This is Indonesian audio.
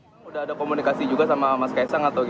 tingkat kota bekasi belum ada komunikasi